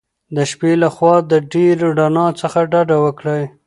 د شپې له خوا د ډېرې رڼا څخه ډډه وکړئ.